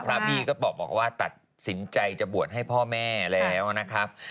บี้ก็บอกว่าตัดสินใจจะบวชให้พ่อแม่แล้วนะครับ